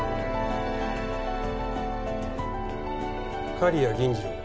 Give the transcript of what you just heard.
刈谷銀次郎は？